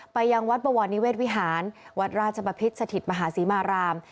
ไปยังวัดบวรนิเวศวิหารวัดราชบพิษสถิตมหาศรีมาราม